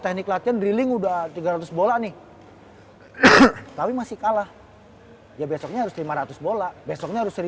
teknik latihan drilling udah tiga ratus bola nih tapi masih kalah ya besoknya harus lima ratus bola besoknya harus